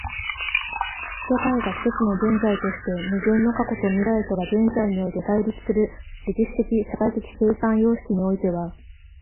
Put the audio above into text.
世界が一つの現在として、無限の過去と未来とが現在において対立する歴史的社会的生産様式においては、